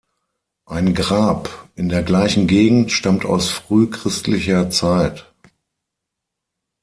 Ein Grab in der gleichen Gegend stammt aus frühchristlicher Zeit.